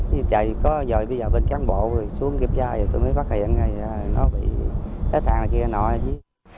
như trời có giờ bây giờ bên cán bộ rồi xuống kiệp gia rồi tụi mới phát hiện là nó bị hết hàng ở kia nọ rồi chứ